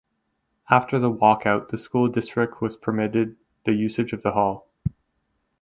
After the walkout the school district was permitted the usage of the hall.